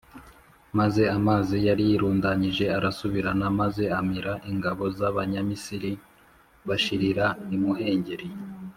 maze amazi yari yirundanyije arasubirana maze amira ingabo z’abanyamisiri bashirira imuhengeri.